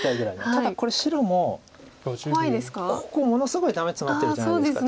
ただこれ白もここものすごいダメツマってるじゃないですか。